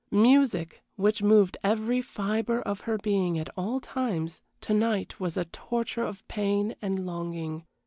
Music, which moved every fibre of her being at all times, to night was a torture of pain and longing.